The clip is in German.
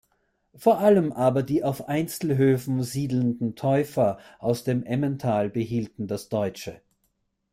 Vor allem aber die auf Einzelhöfen siedelnden Täufer aus dem Emmental behielten das Deutsche.